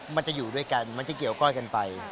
มันจะอยู่ด้วยกันมันจะเกี่ยวก้อยกันไป